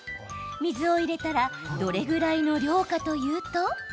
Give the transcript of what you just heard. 水を入れたらどれぐらいの量かというと。